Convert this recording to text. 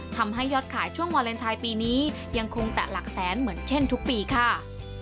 ทำให้ยอดขายช่วงวาเลนไทยปีนี้ยังคงแตะหลักแสนเหมือนเช่นทุกปีค่ะ